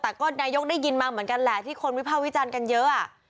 แต่ก็นายกได้ยินมาเหมือนกันแหละที่คนวิภาควิจารณ์กันเยอะ